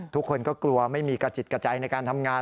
ทุกคนก็กลัวไม่มีกระจิตกระใจในการทำงาน